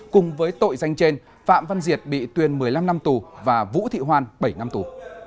cùng với tội danh trên phạm văn diệt bị tuyên một mươi năm năm tù và vũ thị hoan bảy năm tù